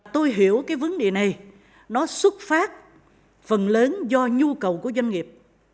tôi hiểu cái vấn đề này nó xuất phát phần lớn do nhu cầu của doanh nghiệp